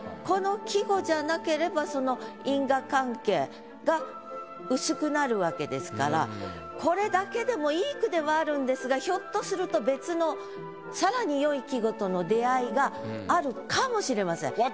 この季語じゃなければその因果関係が薄くなるわけですからこれだけでもいい句ではあるんですがひょっとすると別の。があるかもしれません。